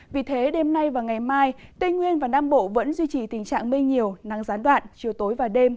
vì thế đêm nay và ngày mai tây nguyên và nam bộ vẫn duy trì tình trạng mây nhiều nắng gián đoạn chiều tối và đêm